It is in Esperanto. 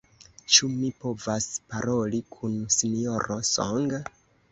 Ĉu mi povas paroli kun Sinjoro Song?